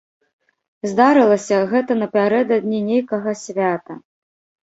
Здарылася гэта напярэдадні нейкага свята.